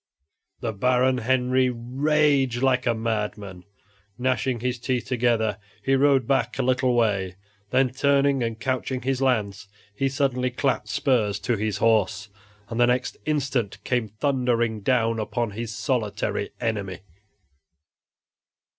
The Baron Henry raged like a madman. Gnashing his teeth together, he rode back a little way; then turning and couching his lance, he suddenly clapped spurs to his horse, and the next instant came thundering down upon his solitary enemy.